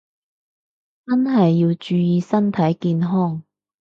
真係要注意健康